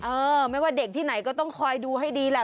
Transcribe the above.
เออไม่ว่าเด็กที่ไหนก็ต้องคอยดูให้ดีแหละ